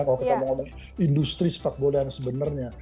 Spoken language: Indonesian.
kalau kita mau ngomongin industri sepak bola yang sebenarnya